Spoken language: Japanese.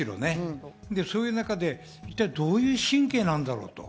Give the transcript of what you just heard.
そういう中で一体どういう神経なんだろうと。